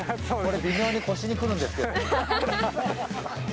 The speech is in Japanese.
微妙に腰に来るんですけど。